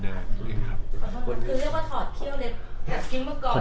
คือเรียกว่าถอดเขี้ยวเลยแอบกินเมื่อก่อน